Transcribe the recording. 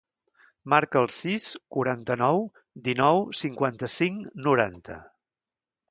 Marca el sis, quaranta-nou, dinou, cinquanta-cinc, noranta.